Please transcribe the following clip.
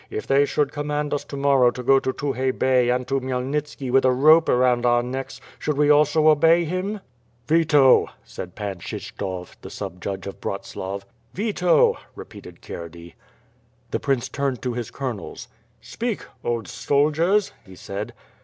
If they should command us to morrow to go to Tukhay Bey and to Khmyelnitski with a rope around our necks, should we also obey him?'' "Veto," said Pan Kshyshtof, the sub judge of Bratslav. "Veto," repeated Kierdey. The prince turned to his colonels. "Speak, old soldiers," he said.